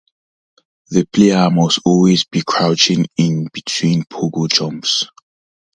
The player must always be crouching in between pogo jumps.